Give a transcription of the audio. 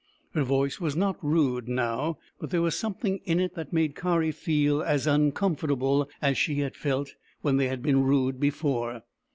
Her voice was not rude now, but there was some thing in it that made Kari feel as uncomfortable as she had felt when she had been rude before.